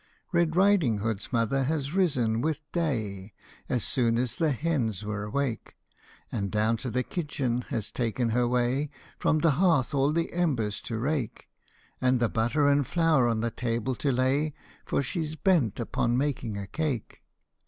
Red Riding Hood's mother has risen with day, As soon as the hens were awake, And down to the kitchen has taken her way, From the hearth all the embers to rake, And the butter and flour on the table to lay, For she 's bent upon making a cake.